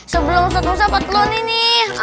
sebelum ustad usah patlon ini